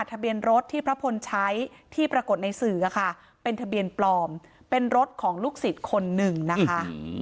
ทะเบียนรถที่พระพลใช้ที่ปรากฏในสื่อค่ะเป็นทะเบียนปลอมเป็นรถของลูกศิษย์คนหนึ่งนะคะ